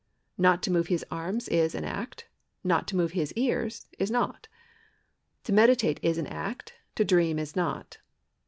Not to move his arms is an act ; not to move his ears is not. To meditate is an act ; to dream is not.